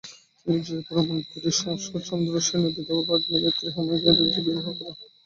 তিনি জয়পুরের মন্ত্রী সংসারচন্দ্র সেনের বিধবা ভাগিনেয়ী হেমাঙ্গিনী দেবীকে বিবাহ করেন।